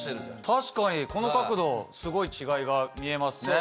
確かにこの角度すごい違いが見えますね。